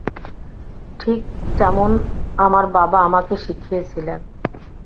ঠিক যেমন আমার বাবা আমাকে শিখিয়েছিলেন।